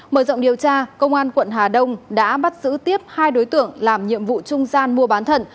mở rộng điều tra công an quận hà đông đã bắt giữ tiếp hai đối tượng làm nhiệm vụ trung gian mua bán thận